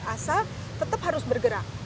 asal tetap harus bergerak